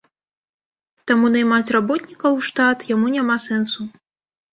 Таму наймаць работнікаў у штат яму няма сэнсу.